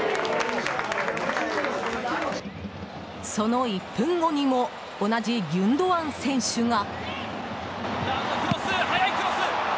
その１分後にも同じギュンドアンが。